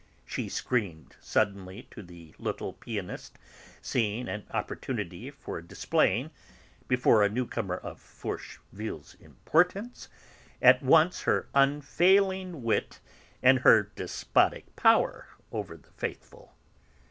she screamed suddenly to the little pianist, seeing an opportunity for displaying, before a 'newcomer' of Forcheville's importance, at once her unfailing wit and her despotic power over the 'faithful.'